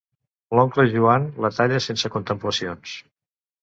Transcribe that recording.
L'oncle Joan la talla sense contemplacions.